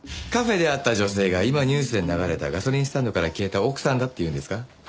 カフェで会った女性が今ニュースで流れたガソリンスタンドから消えた奥さんだって言うんですか？